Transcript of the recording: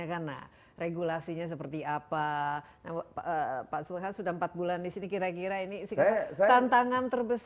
kalau berubah terus